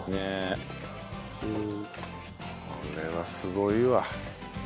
これはすごいわ。